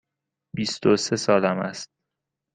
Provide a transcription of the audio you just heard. بیست و سه سالم است.